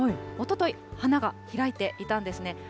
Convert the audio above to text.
おととい、花が開いていたんですね。